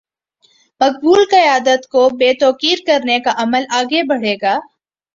مقبول قیادت کو بے توقیر کرنے کا عمل آگے بڑھے گا۔